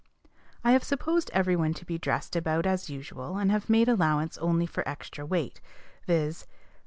I have supposed every one to be dressed about as usual, and have made allowance only for extra weight; viz.